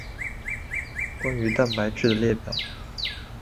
关于蛋白质的列表。